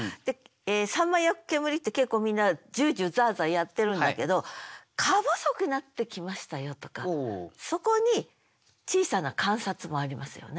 「秋刀魚焼く煙」って結構みんな「じゅうじゅう」「ざあざあ」やってるんだけど「かぼそくなってきましたよ」とかそこに小さな観察もありますよね。